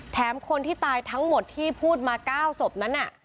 คนที่ตายทั้งหมดที่พูดมา๙ศพนั้น